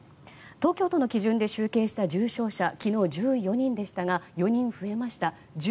東京都の基準で集計した重症者、昨日は１４人でしたが４人増えました。